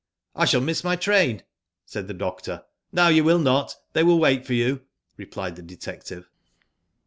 " I shall miss my train," said the doctor. "No, you will not. They will wait for you," replied the detective.